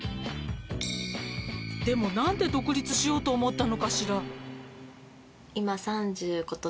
「でも何で独立しようと思ったのかしら？」